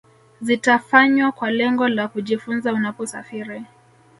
zitafanywa kwa lengo la kujifunza Unaposafiri